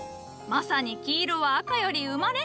まさに黄色は赤より生まれ。